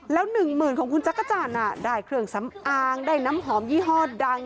แล้วหนึ่งหมื่นของคุณจักรจันทร์ได้เครื่องสำอางได้น้ำหอมยี่ห้อดัง